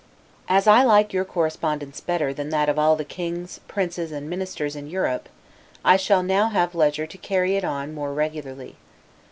As I like your correspondence better than that of all the kings, princes, and ministers, in Europe, I shall now have leisure to carry it on more regularly.